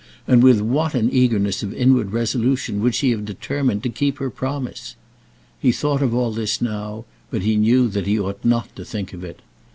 And with what an eagerness of inward resolution would she have determined to keep her promise. He thought of all this now, but he knew that he ought not to think of it.